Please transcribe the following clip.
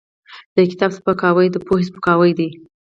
د کتاب سپکاوی د پوهې سپکاوی دی.